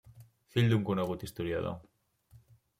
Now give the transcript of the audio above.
Fill d'un conegut historiador.